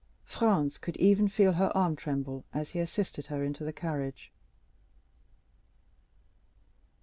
Franz could even feel her arm tremble as he assisted her into the carriage.